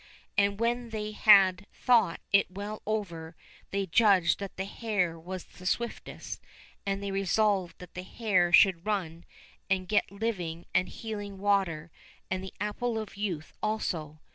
And when they had thought it well over they judged that the hare was the swiftest, and they resolved that the hare should run and get living and healing water and the apple of youth also.